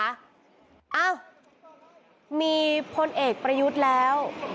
อ้าวมีพลเอกประยุทธ์แล้ว